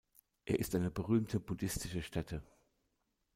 Er ist eine berühmte buddhistische Stätte.